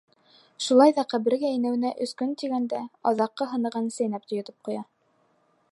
Шулай ҙа ҡәбергә инеүенә өс көн тигәндә, аҙаҡҡы һынығын сәйнәп йотоп ҡуя.